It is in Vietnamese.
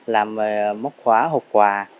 làm móc khóa hộp quà